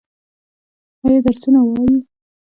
ایا درسونه وايي؟